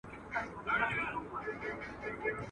چي نه کړې اېسکۍ، يا به خره کړې، يا به سپۍ.